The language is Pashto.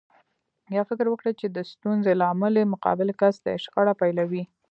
يا فکر وکړي چې د ستونزې لامل يې مقابل کس دی شخړه پيلوي.